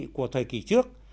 của thời kỳ trước